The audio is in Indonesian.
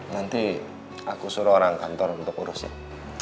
nanti aku suruh orang kantor untuk urusin